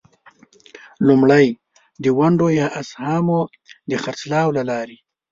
لومړی: د ونډو یا اسهامو د خرڅلاو له لارې.